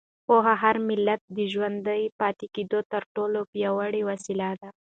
پوهه د هر ملت د ژوندي پاتې کېدو تر ټولو پیاوړې وسیله ده.